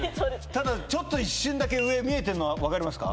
ただちょっと一瞬だけ上見えてるの分かりますか？